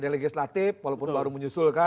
legislatif walaupun baru menyusulkan